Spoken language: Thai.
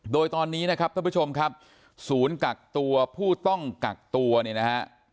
โดยตอนนี้นะครับท่านผู้ชมครับศูนย์กักตัวผู้ต้องกักตัวเนี่ยนะฮะ